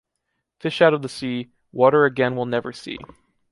Fish out of the sea, water again will never see.